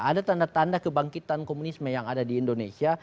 ada tanda tanda kebangkitan komunisme yang ada di indonesia